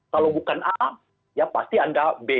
kalau bukan a ya pasti anda b